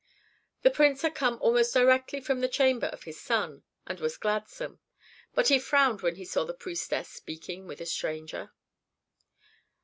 The prince had come almost directly from the chamber of his son, and was gladsome. But he frowned when he saw the priestess speaking with a stranger.